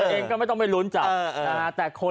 เองก็ไม่ต้องไปลุ้นจับนะฮะ